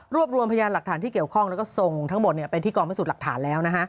รวมรวมพยานหลักฐานที่เกี่ยวข้องแล้วก็ส่งทั้งหมดไปที่กองพิสูจน์หลักฐานแล้ว